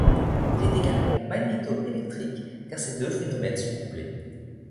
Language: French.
Il est également magnétoélectrique car ces deux phénomènes sont couplés.